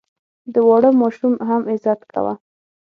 د واړه ماشوم هم عزت کوه.